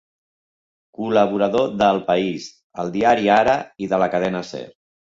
Col·laborador d'El País, El Diari Ara i de la Cadena Ser.